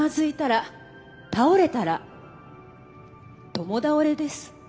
共倒れです。